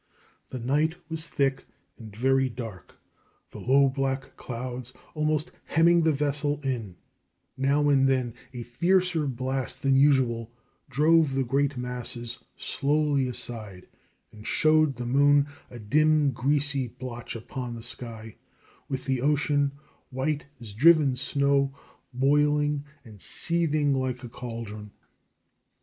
The night was thick and very dark, the low black clouds almost hemming the vessel in; now and then a fiercer blast than usual drove the great masses slowly aside and showed the moon, a dim, greasy blotch upon the sky, with the ocean, white as driven snow, boiling and seething like a caldron.